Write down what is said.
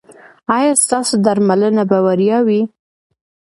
ایا ستاسو درملنه به وړیا وي؟